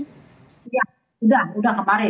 sudah sudah kemarin